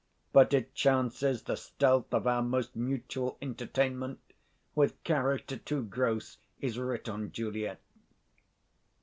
But it chances The stealth of our most mutual entertainment With character too gross is writ on Juliet.